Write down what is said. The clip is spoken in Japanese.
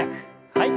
はい。